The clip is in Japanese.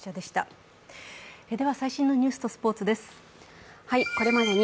では最新のニュースとスポーツです。